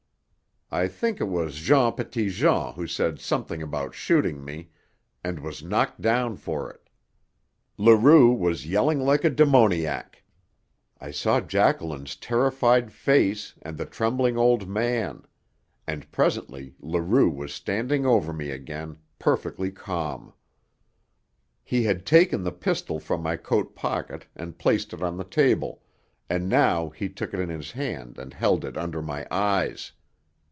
I think it was Jean Petitjean who said something about shooting me, and was knocked down for it. Leroux was yelling like a demoniac. I saw Jacqueline's terrified face and the trembling old man; and presently Leroux was standing over me again, perfectly calm. He had taken the pistol from my coat pocket and placed it on the table, and now he took it in his hand and held it under my eyes.